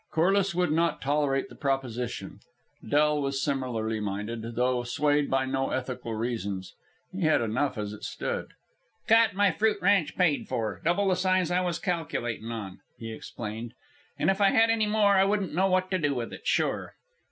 Corliss would not tolerate the proposition. Del was similarly minded, though swayed by no ethical reasons. He had enough as it stood. "Got my fruit ranch paid for, double the size I was calculatin' on," he explained; "and if I had any more, I wouldn't know what to do with it, sure."